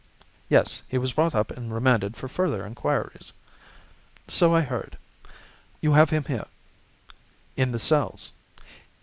"Yes. He was brought up and remanded for further inquiries." "So I heard. You have him here?" "In the cells."